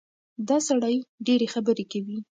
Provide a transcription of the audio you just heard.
دا سړی ډېرې خبرې کوي.